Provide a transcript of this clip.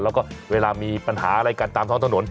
แล้วก็เวลามีปัญหาอะไรกันตามท้องถนน